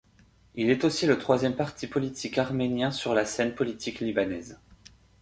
Il est aussi le troisième parti politique arménien sur la scène politique libanaise.